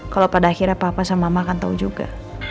kalau pada akhirnya papa sama mama akan tahu juga